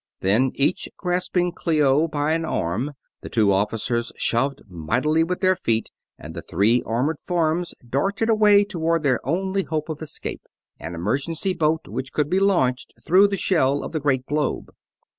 Then, each grasping Clio by an arm, the two officers shoved mightily with their feet and the three armored forms darted away toward their only hope of escape an emergency boat which could be launched through the shell of the great globe.